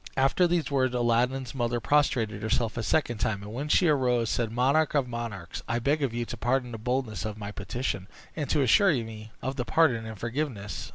After these words, Aladdin's mother prostrated herself a second time, and, when she arose, said, "Monarch of monarchs I beg of you to pardon the boldness of my petition, and to assure me of your pardon and forgiveness."